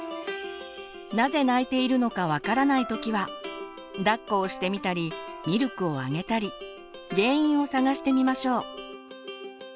なぜ泣いているのか分からない時はだっこをしてみたりミルクをあげたり原因を探してみましょう。